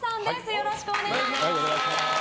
よろしくお願いします。